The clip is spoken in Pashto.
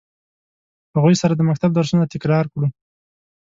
هغوی سره د مکتب درسونه تکرار کړو.